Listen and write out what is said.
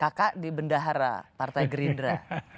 kakak di bendahara partai gerindra